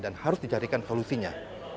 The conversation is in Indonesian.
dan harus dicarikan solusinya